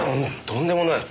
とんでもない。